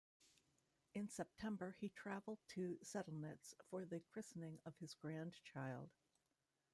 In September he traveled to Sedlnitz for the christening of his grandchild.